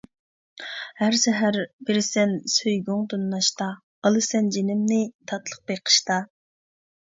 ھەر سەھەر بېرىسەن سۆيگۈڭدىن ناشتا، ئالىسەن جېنىمنى تاتلىق بېقىشتا.